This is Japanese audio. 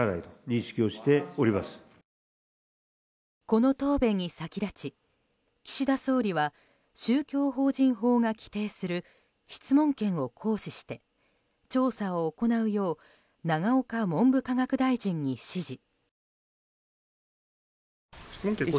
この答弁に先立ち、岸田総理は宗教法人法が規定する質問権を行使して調査を行うよう永岡文部科学大臣に指示。